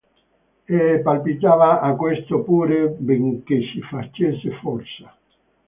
E palpitava a questo pure, benchè si facesse forza.